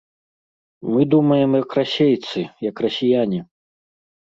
Мы думаем як расейцы, як расіяне.